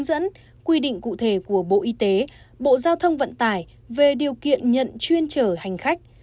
hướng dẫn quy định cụ thể của bộ y tế bộ giao thông vận tải về điều kiện nhận chuyên trở hành khách